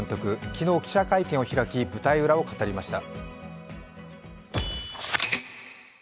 昨日記者会見を開き舞台裏を語りました。